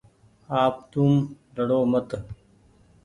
آپ توم لڙو مت